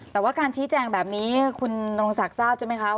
แต่ว่าการชี้แจงแบบนี้ลงสากทราบใช่ไหมครับ